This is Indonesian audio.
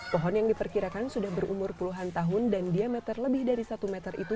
pohon yang diperkirakan sudah berumur puluhan tahun dan diameter lebih dari satu meter itu